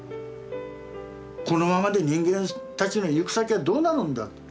このままで人間たちの行く先はどうなるんだと。